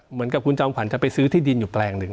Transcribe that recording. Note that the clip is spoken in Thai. เหมือนกับคุณจอมขวัญจะไปซื้อที่ดินอยู่แปลงหนึ่ง